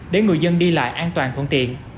để người dân đi lại an toàn thuận tiện